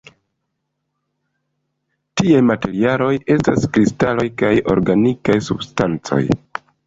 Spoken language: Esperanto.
Tiaj materialoj estas kristaloj kaj organikaj substancoj.